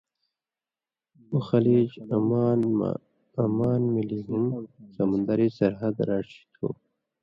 اُو خلیج عمان مہ عمان ملی ہُم سمندری سرحد راڇھیۡ تُھو،